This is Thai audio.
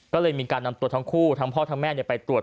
ก็เลยมีการนำตัวทั้งคู่ทั้งพ่อทั้งแม่ไปตรวจ